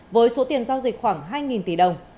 với số tiền giao dịch khoảng hai tỷ đồng